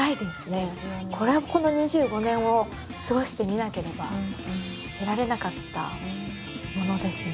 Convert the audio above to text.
これはこの２５年を過ごしてみなければ得られなかったものですね。